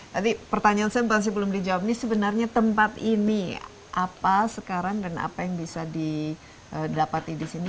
jadi pertanyaan saya masih belum dijawab ini sebenarnya tempat ini apa sekarang dan apa yang bisa didapati di sini